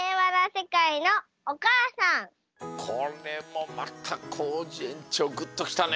これもまたコージえんちょうグッときたね。